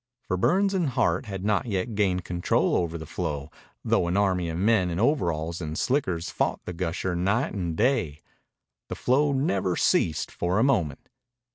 For Burns and Hart had not yet gained control over the flow, though an army of men in overalls and slickers fought the gusher night and day. The flow never ceased for a moment.